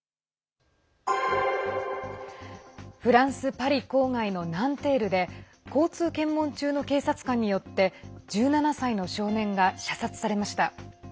フランスパリ郊外のナンテールで交通検問中の警察官によって１７歳の少年が射殺されました。